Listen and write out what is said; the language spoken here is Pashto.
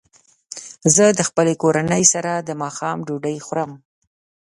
زه د خپلې کورنۍ سره د ماښام ډوډۍ خورم.